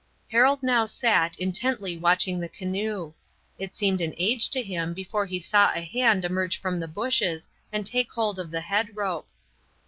Harold now sat intently watching the canoe. It seemed an age to him before he saw a hand emerge from the bushes and take hold of the head rope.